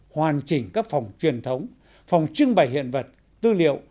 hoàn chỉnh các phòng truyền thống phòng trưng bày hiện vật tư liệu